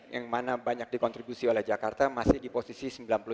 yang mana banyak dikontribusi oleh jakarta masih di posisi sembilan puluh delapan